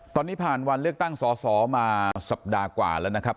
ตอนนี้ผ่านวันเลือกตั้งสอสอมาสัปดาห์กว่าแล้วนะครับ